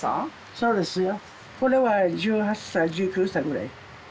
そうですよ。